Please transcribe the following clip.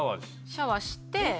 シャワーして。